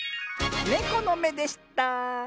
ネコのめでした。